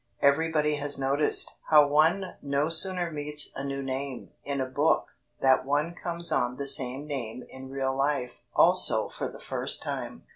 Everybody has noticed how one no sooner meets a new name in a book that one comes on the same name in real life also for the first time.